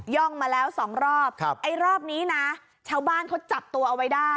่องมาแล้วสองรอบครับไอ้รอบนี้นะชาวบ้านเขาจับตัวเอาไว้ได้